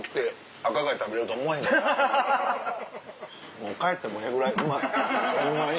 もう帰ってもええぐらいうまいホンマに。